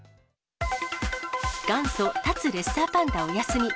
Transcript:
元祖立つレッサーパンダお休み。